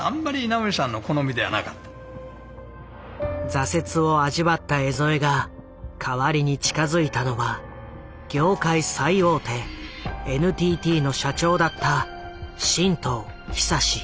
挫折を味わった江副が代わりに近づいたのは業界最大手ＮＴＴの社長だった真藤恒。